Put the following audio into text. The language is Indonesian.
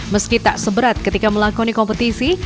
meski tak seberat ketika melakoni kompetisi